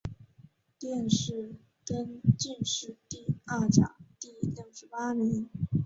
殿试登进士第二甲第六十八名。